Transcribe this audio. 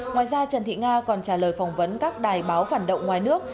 ngoài ra trần thị nga còn trả lời phỏng vấn các đài báo phản động ngoài nước